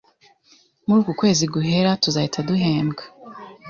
muri uku kwezi guhera tuzahita duhembwa.